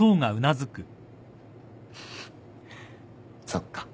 そっか。